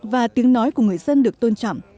và tiếng nói của người dân được tôn trọng